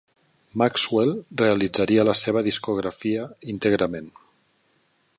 Maxwell realitzaria la seva discografia íntegrament.